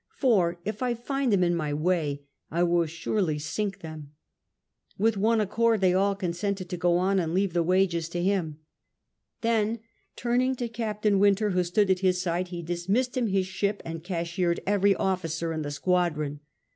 For if I find them in my way I will surely sink them." With one accord they all consented to go on and leave the wages to him. Then turning to Captain Wynter, who stood at his side, he dismissed him his ship, and cashiered every officer in the squadron.